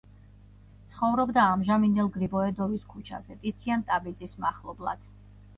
ცხოვრობდა ამჟამინდელ გრიბოედოვის ქუჩაზე, ტიციან ტაბიძის მახლობლად.